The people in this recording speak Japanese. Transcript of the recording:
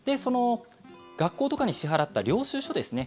学校とかに支払った領収書ですね